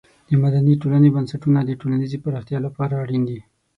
د مدني ټولنې بنسټونه د ټولنیزې پرمختیا لپاره اړین دي.